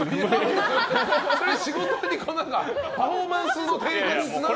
それ仕事のパフォーマンスの低下につながる。